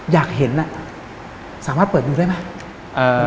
อยากเห็นสามารถเปิดดูได้ไหม